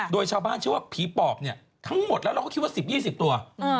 โดยชาวบ้านเชื่อว่าผีปอบเนี่ยทั้งหมดแล้วเราก็คิดว่า๑๐๒๐ตัว